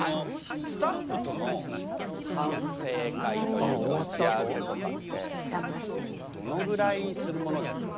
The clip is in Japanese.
スタッフとの反省会というか打ち合わせとかってどのぐらいするものですか？